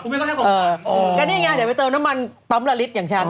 ก็นี่ไงเดี๋ยวไปเติมน้ำมันปั๊มละลิตรอย่างฉัน